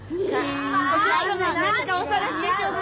お客様何かお探しでしょうか。